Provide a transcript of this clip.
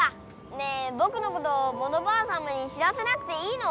ねえぼくのことモノバアさまに知らせなくていいの？